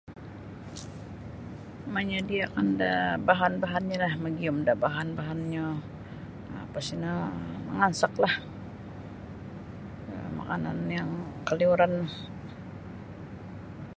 Manyadiakan da bahan-bahanya lah magium da bahan-bahanyo lapas tino mangansak lah um makanan yang kaliuran no.